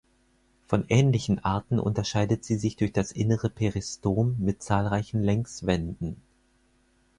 Von ähnlichen Arten unterscheidet sie sich durch das innere Peristom mit zahlreichen Längswänden.